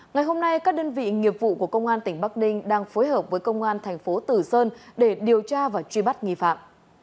ngày hôm nay các đơn vị nghiệp vụ của công an tỉnh bắc ninh đang phối hợp với công an thành phố tử sơn để điều tra và truy bắt nghi phạm